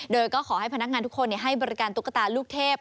โดยก็ขอให้พนักงานทุกคนให้บริการตุ๊กตาลูกเทพ